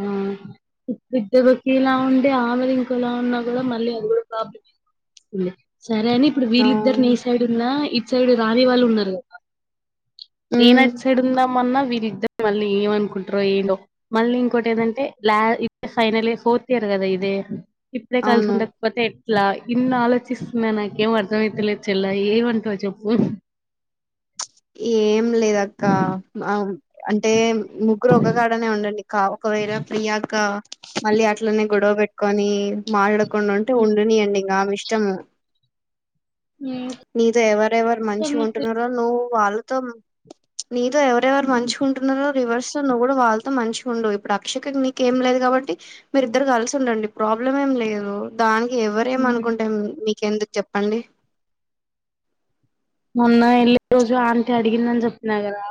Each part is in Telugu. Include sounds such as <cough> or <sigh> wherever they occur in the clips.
ఆ ఆద్దవకి ఇలా ఉంటే ఆమెది ఇంకో ఎలా ఉన్నా కూడా మళ్ళీ అది కూడా ప్రాబ్లం వస్తుంది సరే అని ఇప్పుడు అవును వీళ్ళిద్దరిని ఈ సైడ్ ఉన్నా ఇట్ సైడ్ రాని వాళ్ళు ఉన్నారు నేన హ్మ్. అట్ సైడ్ వుందామన్న వీరిద్దరర్ మళ్ళీ ఏమన్ కు ్రో ఏందో మళ్ళీ ఇంకోటి ఏదంటే లా ఇ ఫైనల్ ఇయర్ ఫోర్త్ ఇయర్ కదా ఇదే ఇప్పుడే కలిసి అవును. ఉండకపోతే ఎట్లా ఇన్నా ఆలోచిస్తున్నా నాకేం అర్థమైతేలేద్ చెల్లాయి ఏమంటవ్ చెప్పు ఏం లేదక్క. ఆహ్, అంటే ముగ్గురు ఒకగాడనే ఉండండి కా ఒకవేళ ప్రియాంక మళ్ళీ అట్లనే గొడవ పెట్ కని మాళ్ కొం ఉంటే ఉండునియంండి ఇంకా ఆమె ఇష్టము నీతో ఎవరెవరు మంచి ఉంటున్నారో నువ్ వాల్ తోనా నీతో ఎవరెవరు మంచుకుంటున్నారో రివర్స్ ఉన్నా కూడా వాళ్ళతో మంచిగా ఉండు ఇప్పుడు అక్ష నీకేం లేదు కాబట్టి మీరి ఇద్దరు కలిసి ఉండండి ప్రాబ్లం ఏం లేదు దాని ఎవరేమ అనుకుంటా మీ మి ఎందుకు చెప్పండి మొన్న వెళ్ళ రోజు ఆంటీ అడిగిందని చెప్పినా కదా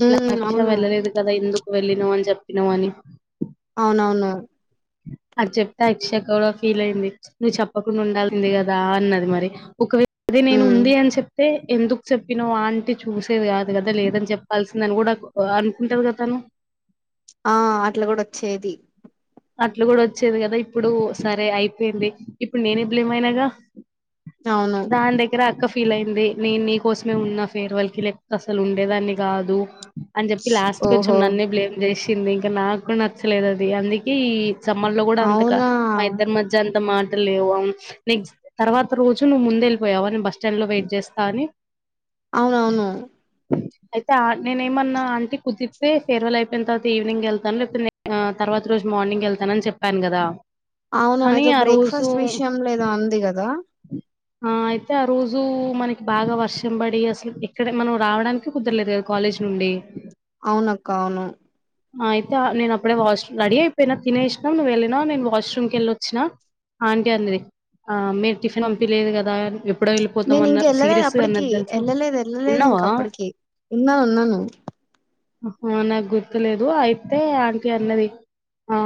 ఇట్లా హ్మ్. అక్ష అవును. వెళ్ళలేదు కదా ఎందుకు వెళ్ళినామని చెప్పినామని అవునవును అది చెప్తే అక్షక్క ఫీల్ అయింది నువ్వు చెప్పకుండా ఉండాల్సింది. కదా అన్నది మరి ఒకవేళ అది నేను హ్మ్. ఉంది అని చెప్తే ఎందుకు చెప్పినో ఆంటి చూసేది కాదు కదా లేదని చెప్పాల్సింద అని కూడా అనుకుంటారు కదా తను. ఆ అట్లా కూడా వచ్చేది. అట్లు కూడా వచ్చేది కదా ఇప్పుడు సరే అయిపోయింది. ఇప్పుడు నేనే బ్లేమ్ ఆయనగా అవును దాని దగ్గర అక్క ఫో ఫీల్ అయింది, నేను నీ కోసమే ఉన్నా ఫేర్ వాల్ కి పోతే అసలు ఉండేదాన్ని కాదు. అని చెప్పి లాస్ట్ కొంచెం ఓహో నన్నే బ్లేమ్ చేసి వచ్చింది ఇంకా నాకు నచ్చలేదు అది అందుక ఈ సమ్మర్ ల్లో కూడా అంతక అవునా మా ఇద్దరి మధ్య అంత మాట లేవు నెక్స్ట్ తర్వాత రోజు నువ్వు ముంద వెళ్ళిపోయావా, బస్ స్టాండ్ లో వెయిట్ చేస్తా అని. అవునవును అయితే నేనేమన్నా ఆంటీ కుదితే ఫేర్వెల్ అయిపోయిన తర్వాత ఈవినింగ్ వెళ్తాను. లేకపోతే తర్వాత ఈరోజు మార్నింగ్ వెళ్తానని చెప్పాను కదా. అవును కానీ ఏదో ఆ బ్రేక్ఫాస్ట్ రోజు విషయం లో ఏదో అంది కదా. ఆ అయితే ఆ రోజు మనకి బాగా వర్షం పడి అసలు ఎక్కడ మనం రావడానికి కుదరలేదు, కదా కాలేజీ నుండి. అవును అక్క అవును అయితే నేను అప్పుడే వాష్రూమ్ రెడీ అయిపోయినా తినేసినా నువ్వు వెళ్ళిన నేను వాష్రూమ్ కి వెళ్ళి వచ్చినా, ఆంటీ అన్నది ఆ మీరు టిఫిన్ పంపిలేదు కదా చే నేను ఇంక ఎళ్ళలేదు, అప్పటికి వెళ్ళలేదు వెళ్ళలేదు ఇంక ఉన్నావా అప్పటికి ఉన్నా ఉన్నాను. హు నాకు గుర్తులేదు అయితే ఆంటి అన్నది. ఆ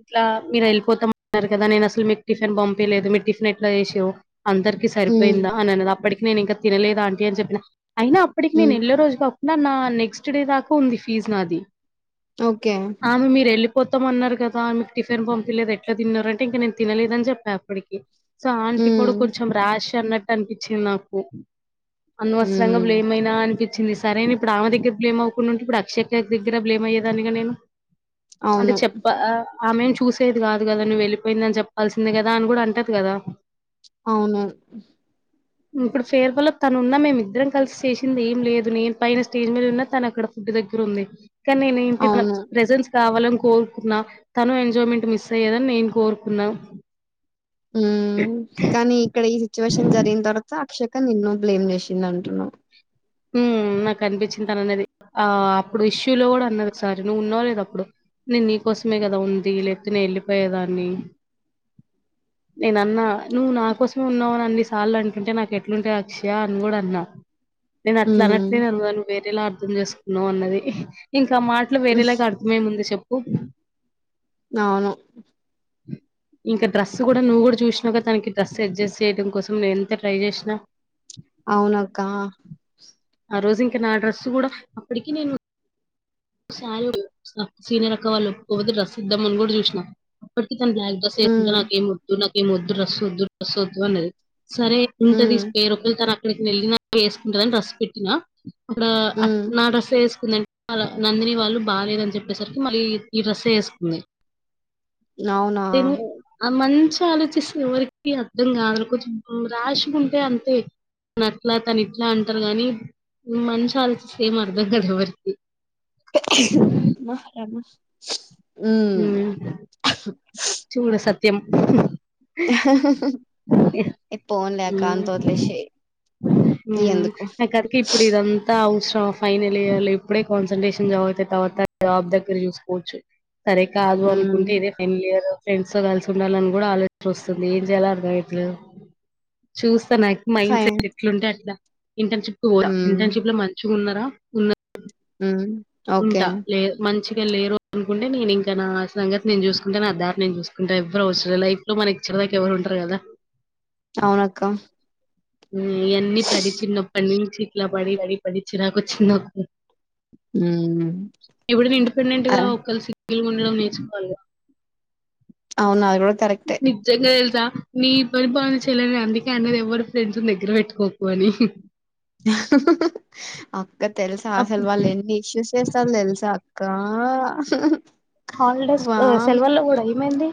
ఇట్లా మీరు వెళ్ళిపోతాం అన్నారు కదా నేను అస్సలు మీకు టిఫిన్ పంపిలేదు. మీ టిఫిన్ ఎట్లా చేసి దో అందరికి ఉమ్ సరిపోయిందా. అని అన్నది అప్పటికి నేను ఇంకా తినలేదు ఆంటి అని చెప్పిన అయినా అప్పటికి నేను ఉమ్ ఎల్లే రోజు కా నా నా నెక్స్ట్ డే దాకా ఉంది ఫీజ్ నాది ఓకే ఆమె మీరు ఎళ్లి వత్తం అన్నారు కదా మీకు టిఫిన్ పంపిలేదు. ఎట్లా తిన్నారు అంటే ఇంక నేను తినలేదని చెప్పా అప్పటికి ఉమ్ కూడు కొంచెం రాష్ అన్నట్టు అనిపించింది నాకు అనవసరంగా ఉమ్ బ్లేమ్ అయినా అనిపిత్ వచ్చంది సరే ఇప్పుడు ఆమె దగ్గర బ్లేమ్ అవుకొని ఉంటే ఇప్పుడు అక్షయ దగ్గర బ్లేమ్ అయ్యేదాన్నిగా నేను. అంటే అవును చెప్పా ఆమెను చూసేది కాదు కదా నువ్వు వెళ్ళిపోయిందని చెప్పాల్సిందే కదా అని కూడా అంటది కదా. అవును ఇప్పుడు ఫేర్వల్ లో తను ఉన్నా మేమిద్దరం కలిసి చేసింది ఏం లేదు. నేను పైన స్టేజ్ మీద ఉన్నా తను అక్కడ ఫుడ్ దగ్గర ఉంది. కానీ నేను ఏంటి అవును ప్రెజెన్స్ కావాలని కోరుకున్నా తను ఎంజాయ్మెంట్ మిస్ అయ్యేదని నేను కోరుకున్నా ఉ కానీ ఇక్కడ ఈ సిచ్యువేషన్ జరిగిన తర్వాత అక్షక నిన్ను బ్లేమ్ చేసింది అంటున్నా ఉమ్ నాకు అనిపించింది తను అన్నది ఆ అప్పుడు ఇష్యూలో కూడా అన్నది సారి నువ్వు ఉన్నావు లేదా అప్పుడు నేను నీకోసమే కదా ఉంది లేకపోతే నే ఎళ్ళిపోయేదాన్ని నేనన్నా నువ్వు నా కోసమే ఉన్నావని అన్ని సార్లు అంటుంటే నాకు ఎట్లుంటది అక్షయ అని కూడా అన్నా నేను అట్ల ఉమ్ అనట్లేదు నువ్వు వేరేలా అర్థం చేసుకున్నావు అన్నది ఇ త మాటలు వేరేలాగా అర్థం ఏముంది చెపు కు అవును ఇంకా డ్రెస్ కూడా నువ్వు కూడా చూసినావు కదా తనకి డ్రస్ అడ్జస్ట్ చేయడం కోసం నీను ఎంత ట్రై చేసినా అవును కా ఆ రోజు ఇంకా నా డ్రెస్సు కూడా అప్పటికి నేను <inaudible> సీనియర్ అక్కవాళ్ళు ఒప్పుకోకపోతే డ్రెస్ ఇద్దామని కూడా చూసిన <inaudible> ఉమ్ సేపుంటదో నాకేమి గుర్తుండదు ఏమొద్దు డ్రెస్ వద్దు డ్రెస్ వద్దు అన్నది సరే ఉమ్ ఉంటదిస్ ఏరోక్కలు తన అక్కకి నెల్న వేసుకుంటని రసి పెట్టినా అక్కడ అట్ ఉమ్ నా డసుసుకుందండి అలో నందిని వాళ్ళు బాగాలేదని చెప్పేసరికి మళ్ళీ ఈ డస్స వేస్తుంది అవునా తను అమన్ మనిషి ఆలోచిస్త ఎవరికి అర్థం కాదరు కొెం రాష్ ఉంటే అంతే తన అట్లా తను ఇట్లా అంటారు కాగానీ మనిష ఆలోచిస్త ఏం అర్థం కాదు ఎవరికి మహ రామ ఉమ్ చూడ సత్యం ఇ పోన్ లే కా తోదిలేే ఈ ఉమ్, ఎందుకో నాకు అదికే ఇప్పుడు ఇదంతా అవసరం ఫైనల్ ఇయర్ లో ఇప్పుడే కాన్సన్ంట్రేషన్ జాతే తర్వాత జాబ్ దగ్గర చూసుకోవచ్చు సరే కాదు ఉమ్ అనుకుంటే ఇదే ఫైన్ ఇయర్ ఫ్రెండ్స్ తో కలిసి ఉండాలని కూడా ఆలోచన వస్తుంది ఏం చెయాలరు అర్థం కావడం లేదు చూస్త స నాకు మైండ్ ఫైన్ సెట్ ఎట్లుంటే అట్లా ఇంటర్న్షిప్ కు కూడా ఉమ్ ఇంటర్న్షిప్ లో మంచి ఉన్నారా ఉన్న ఉమ్ ఓకే ఉంటా లేదు మంచి ఇం లేరు అనుకుంటే నేను ఇంకా నా సంగతి నేను చూసుకుంటే నా దారి నేను చూసుకుంటా ఎవ్వరు అవసర లైఫ లో మనకి ఇచ్చిన దాకా ఎవరు ఉంటారు కదా అవునక్క ఎన్ని పడి చిన్నప్పని చీట్లా పడి పడి పడిచ్చినకు చిరాకు ఉమ్ ఎప్పుడునా ఇండిపెండెంట్ గా ఒక కలిసి సింగిల్ గా ఉండడం నేర్చుకోవాలి కదా అవునా అది కూడా కరెక్టే నిజంగా ఎ నీ పరిపాలన చేయలేని అందుకే అన్నది ఎవరి ఫ్రెండ్స్ దగ్గర పెట్టుకోకు అని హహహహా ఆ అక్క తెలుసా అప్ అసలు వాళ్ళు ఎన్ని ఇష్యూస్ చేస్తారు తెలుసా అక్క ఆ హాలిడేస్ సెలవల్లో కూడా ఏమైంది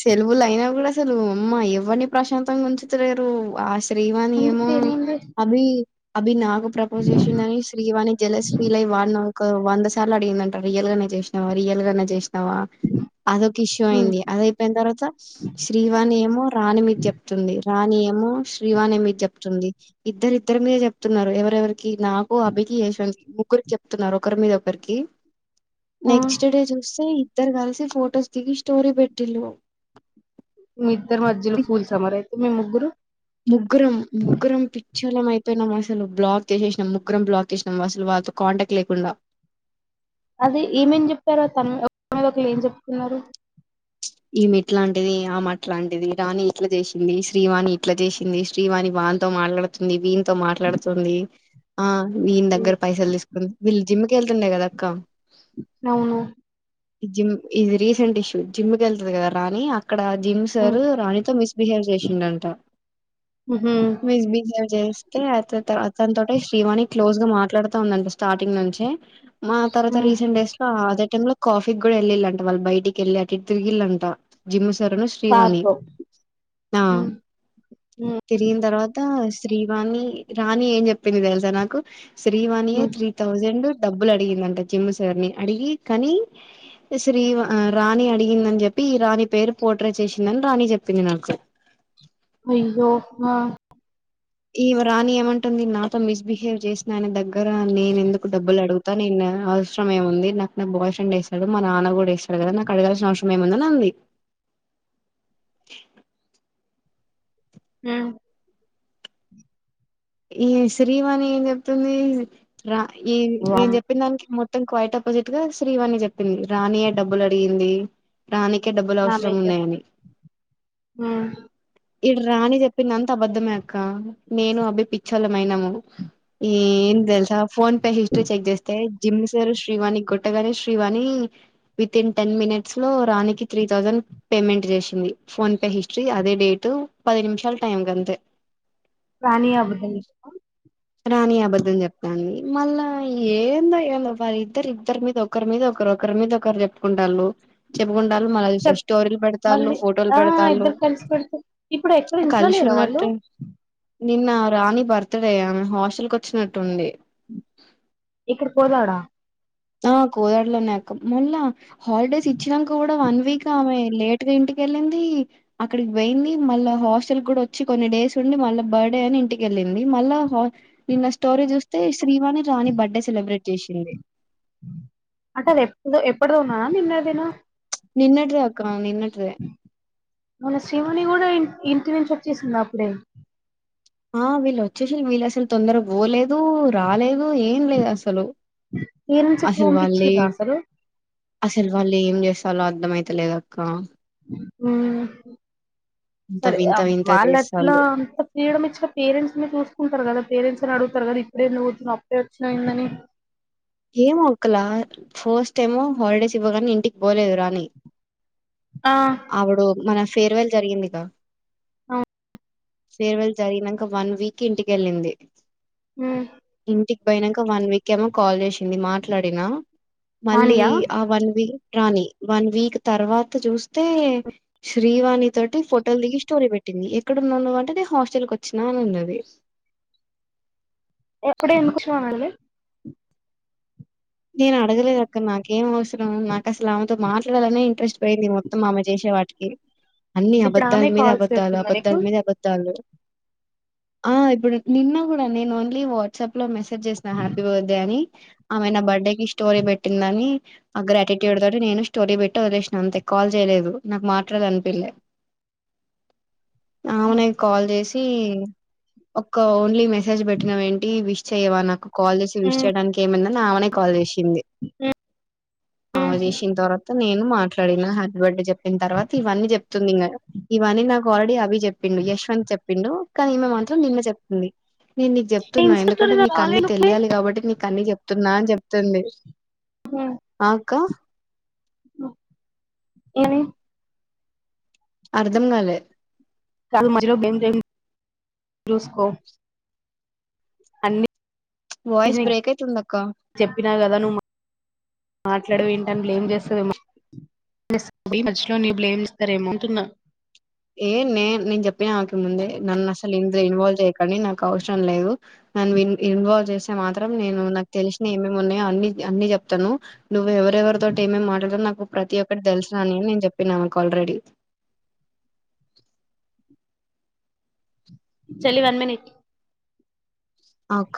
సెల్బుల అయినా కూడా అసలు అమ్మా ఎవరిని ప్రశాంతంగా ఉంచుతలేరు ఆ శ్రీవాణి ఎందుకు ఏమో ఏమైంది? అభి అభి నాకు ప్రపోజ్ చేసిందని శ్రీవాణి జలస్ ఫీల్ అయి వాడిన ఒక వంద సార్లు అడిగిందంట రియల్ గానే చేసినా రియల్ గానే చేసిన వా అదక ఇష్యూ హ్మ్. అయింది అద న తర్వాత శ్రీవాణి ఏమో రాణి మీద చెప్తుంది రాణి ఏమో శ్రీవాణి ఏమో ఇది చెప్తుంది ఇద్దరిద్దరి మీదే చెప్తున్నారు ఎవరెవరి నాకు అభికి యశ్వంత్ కి ఒకరు చెప్తున్నారు ఒకరి మీద ఒకరికి ఆ! నెక్స్ట్ డే చూస్తే ఇద్దరు గల్సి ఫోటోజ్ దిగి స్టోరి బెట్ టిల్లు మీ ఇద్దరు మధ్యలో ఫూల్స్ మారా అయితే మేము ముగ్గురు ముగ్గురం ఉక్షలం అయిపోయిం అసలు బ్లాక్ చేసేసినాం ముగ్గురం బ్లాక్ చేసినాం అసలు వాారితో కాంటాక్ట్ లేకుండా అది ఏమేం చెప్పారో తను మీద ఒకళ ఏం చెప్తున్నారు ఈ మీట్లాంటిది ఆమె మట్లాంటిది రాణి ఇట్లా చేసింది శ్రీవాణి ఇట్లా చేసింది శ్రీవాణి వానీతో మాట్లాడుతుంది వీనీతో తో మాట్లాడుతుంది ఆ వీని హ్మ్. దగ్గర పైసలు తీసుకుంది వీళ్ళు జిమ్ కేళ్తుండే కదాక్కా అవును. జిమ్ ఇది రీసెంట్ ఇష్యూ జిమ్ వెళ్తుది కదా రాణి అక్కడ జిమ్ సర్ హ్మ్. రాణితో మిస్బిహేవ్ చేసిండంట హుహు. మిస్బిహేవ్ చేస్తే దా తట ఈ శ్రీవాణి క్లోజ్ గా మాట్లాడుతా ఉందంటా స్టార్టింగ్ నుంచి మా తర్వాత హ్మ్. రీసెంట్ డేస్ లో ఆ ై లో కాఫీకి కూడా వెళ్ళంట వాళ్ళ బయటికి వెళ్ళి తిరిగిలంట జిమ్ సార్ శ్రీవాణి సార్‌తో. హ్మ్. హ్మ్. తిరిగిన తర్వాత శ్రీవాణి రాణి ఏం చెప్పింది తెలుసా నాకు త్రీ వన్ ఇయర్ హ్మ్. త్రీ థౌజండ్ డబ్బులు అడిగిందంట జిమ్ము సర్ని అడిగి కానీ శ్రీవ రాణి ఆడ్ ందని చెప్పి ఈ రాణి పేరు పోట్రే చేసిందని రాణి చెప్పింది నాకు అయ్యో హా ఈ రాని ఏమంటుంది నాతో మిస్బిహేవ్ చేసినానే దగ్గ నేను ఎందుకు డబ్బులు అడు నిన్న అవసరం ఏముంది నాకు నా బాయ్ ఫ్రెండ్ వేస్తాడు మా నాన్న కూడా వేస్తాడు కదా నాకు అడగాల్సిన అవసరం ఏముందని అంది మ్ ఈ శ్రీవాణి ఏం చెప్తుంది... రా ఈ నేను వామ్మో చెప్పిన దానికి మొత్తం క్వైట్ అపోజిట్ గా శ్రీవాణి చెప్పింది రాణీయె డబ్బులు అడిగిందీ రాణికె డబ్బులు నాన్ అవసరం వెజ్ ఉన్నాయని హ్మ్ ఇడు రాణి చెప్పింది అంత అబద్దమే అక్క నేను అభి పిచ్చోలమైనము ఏం తెలుసా ఫోన్ పే హిస్ట్రీ చెక్ చేస్తే జిమ్ సార్ శ్రీవాణి కొట్టగానే శ్రీవాణి వితిన్ టెన్ మినిట్స్ లో రాణికి త్రీ థౌజండ్ పేమెంట్ చేసింది ఫోన్ పే హిస్టరీ అదే డేటు పది నిమిషాల టైం కంతే రాని అబద్ధం రాని అబద్ధం చెప్తాంంది మళ్ళా ఏందో ఎమొ వాళ్ళ ఇద్దరు ఇద్దరి మీద ఒకరి మీద ఒకరు ఒకరి మీద ఒకరు చెప్పుకుంటళ్ళు చెప్పుకుంట.... చెప్పుకుంటారు ఉ మళ చెప్ స్టోరీలు పెడతారు మళ్ళీ ఫోటోలు ఆ పెడతారు ఇద్దరు కలిసి పెడితే ఇప్పుడు ఎక్కడ ఇంట్లో కలిసి లేరా వాళ్ళు ఉన్నట్టు నిన్న రాణి బర్త్ డే య.,.. హాస్టల్ కి వచ్చినట్టుంది ఇక్కడ పోదాడా... ఆ..... కోదాడ లోనే అక్కడ, మళా... మల్ల హాలిడేస్ ఇచ్చినాక కూడా వన్ వీక్ ఆమె లేట్ గా ఇంటికి వెళ్ళింది అక్కడికి పోయింది మళ్ళా హాస్టల్ కూడా వచ్చి కొన్ని డేస్ ఉండి మళ్ళా బర్త్డే అని ఇంటికెళ్ళింది మళ్ళా నిన్న స్టోరీ చూస్తే శ్రీవాణి జానీ బర్త్డే సెలబ్రేట్ చేసింది అంటే అది ఎప్ప ఎప్పటిదో ఉన్నదా నిన్నటిదేనా నిన్నటిదె అక్క నిన్నటి దే మన శ్రీవాణి కూడా ఇంటి నుంచి వచ్చేసిందా అప్పుడే ఆ వీళ్ళు వచ్చేషిన్ వీళ్ళు అసలు తొందరగా పోలేదు రాలేదు అ ఏం లేదు అసలు పేరెంట్స్ ఎట్లా అసలు వాళ్ళే పంపించిర్రా అసలు అసలు వాళ్ళు ఏం చేస్తారోఅర్ధం అయితలేదక్క హమ్ ఇంత సరే వింత వింత వాళ్ అట్లా చేస్తాళ్ళు అంత ఫ్రీడం ఇచ్ పేరెంట్స్ని చూసుకుంటారు కదా పేరెంట్స్ని అడుగుతారు కదా ఇప్పుడ ఎందుకూ అప్పుడే ఎందుకు వచ్చినవాని ఏమో ఒకలా ఫస్ట్ టైమ్ హాలిడేస్ ఇవ్వగానే ఇంటికి పోలేదు రాని ఆ అవిడో మన ఫేర్వెల్ జరిగిందిగా అవ్ ఫేర్వెల్ జరిగినంక వన్ వీక్కి ఇంటికెళ్ళింది హమ్ ఇంటికి పోయినంక వన్ వీక్కి ఏమో కాల్ చేసి కింది మాట్లాడినా మళ్ళీ వానియా ఆ వన్ వీక్ రాని వన్ వీక్ తర్వాత చూస్తే శ్రీవాణి తోటి ఫోటోలు దిగి స్టోరీ పెట్టింది ఎక్కడన్నాండ అంటే నే హాస్టల్ క వచ్చినా అని ఉన్నది అప్పుడే ఎందుకు వచ్చినావ్ అనాలి నేను అడగలేదు అక్కడ నాకేం అవసరం నాకు అసలు ఆమెతో మాట్లాడాలనే ఇంట్రెస్ట్ పోయింది మొత్తం ఆమె చేసే వాటికి అన్ని ఇప్పుడు అబద్ద్దాల ఆమె మీద కాల్స్ అబద్ద్దాలు చేస్తుందా నీకు అబద్దాల మీద అబద్ద్దాలు ఆ ఇప్పుడు నిన్న గూడా నేను ఓన్లీ వాట్సాప్ లో మెస్ సెజ్ చేసినా హ్యాపీ బర్త్డే అని ఆమె నా బడ్ ర్త్డే స్టోరీ పెట్టిందని ఆ గ్రాటిట్యూడ్ తోటి నేను స్టోరీ పెట్టి వదిలేసిన అంతే కాల్ చేయలేదు నాకు మాట్లాడాల అనిపిలే మ్మ్ అవునై కాల్ చేసి తీ ఒక ఓన్లీ మెసేజ్ పెట్టినవ్ ఏంటి విష్ చెయ్యవా నాకు కాల్ చేసి విష్ చేయడానికి ఏమైంద ఆమె కాల్ చేషింది ఆ మ్మ్ చేషిన తర్వాత నేను మాట్లాడిన హ్యాపీ బర్త్డే చెప్పి దని తర్వాత ఇవన్నీ చెప్తుంది ఇంగ ఇవన్నీ నాకు గడీ హ్యాపీ చెప్పిం య్వంత్ చెప్ప చెప్పిండు కానీమె మాత్రమే నిన్న చెప్తుంది నేను నీకు చెప్తున్నా ఇన్స్టా ఎందుకంటే స్టోరీలో నీకు అన్నీ రాలేదు పోయ్ తెలియాలి కాబట్టి నీ అన్ని చెపుతున్నాను నా జబ్ తండి ఆక్క ఏవి అర్ధం కాలేదు క మ బెజూస్కో వాయిస్ అన్నిీ బ్రేక్ అయితుంది అక్క చెప్పినా కదా నువవు మాట్లాడ ఏంట అని బ్లేమ్ చేస్తదేమో మధ్యలో న బ్లేమ్ ఇస్తార ఏమోతుున్నా ఏ నే నేను చెప్పిన ఆక ముందే నన్ను అసలు ఇంటి ఇన్వల్యి చేయుకు కానీ నాకు అవసరం లేదు నున్ ఇన్వాల్వ్ చేస్తే మాత్రం నేను నాకు తెలిసిన ఏమేమి ఉన్నాయో అన్ని అన్ని చెప్తాను నువ్వువెవ తో ఏేమి మాడలేాలరు నాకు ప్రతి ఒక్కటి తెలుసు రాని అని నేను చెప్పిన మాకు ఆల్రెడీ చెల్లి వన్ మనిట్ ఆ అక్క